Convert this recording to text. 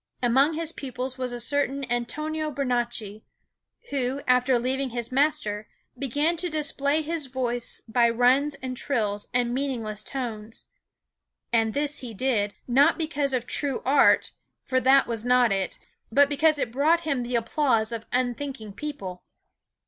Among his pupils was a certain Antonio Bernacchi, who, after leaving his master, began to display his voice by runs and trills and meaningless tones. And this he did, not because of true art, for that was not it, but because it brought him the applause of unthinking people.